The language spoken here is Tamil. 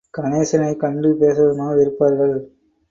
கணேசனைக் கண்டு பேசுவதுமாக இருப்பார்கள்.